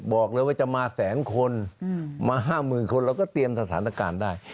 บอกเลยว่าจะมาแสนคนมา๕๐๐๐คนเราก็เตรียมสถานการณ์ได้